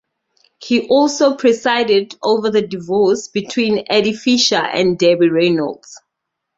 He also presided over the divorce between Eddie Fisher and Debbie Reynolds.